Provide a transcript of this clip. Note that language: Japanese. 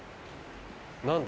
何だ？